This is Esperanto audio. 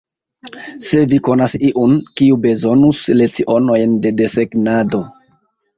Se vi konas iun, kiu bezonus lecionojn de desegnado.